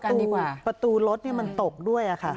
เพราะว่าประตูรถมันตกด้วยค่ะ